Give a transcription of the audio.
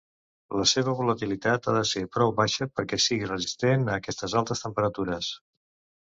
La seva volatilitat ha de ser prou baixa perquè sigui resistent a aquestes altes temperatures.